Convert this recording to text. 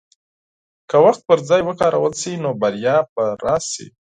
که وخت پر ځای وکارول شي، نو بریا به راشي.